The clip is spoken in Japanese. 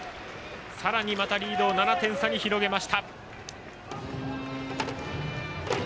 さらにまたリードを７点差に広げました。